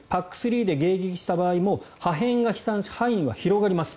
ＰＡＣ３で迎撃した場合も破片が飛散し範囲は広がります。